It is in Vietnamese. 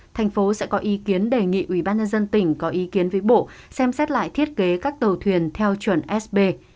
thành phố sẽ có ý kiến đề nghị ubnd tp có ý kiến với bộ xem xét lại thiết kế các tàu thuyền theo chuẩn sb